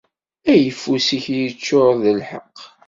Ayeffus-ik iččur d lḥeqq.